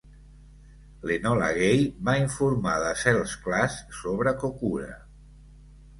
L'Enola Gay va informar de cels clars sobre Kokura.